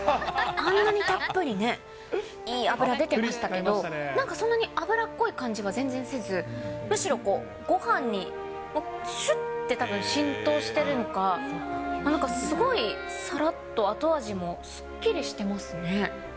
こんなにたっぷりね、いい油出てましたけど、なんかそんなに油っこい感じが全然せず、むしろこう、ごはんにしゅってたぶん、浸透してるのか、なんかすごいさらっと後味もすっきりしてますね。